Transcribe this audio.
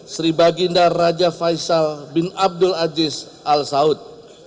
sri baginda raja faisal bin abdul aziz al saud